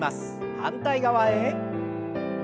反対側へ。